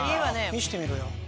見せてみろよ。